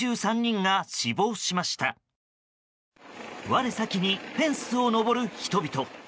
我先にフェンスを登る人々。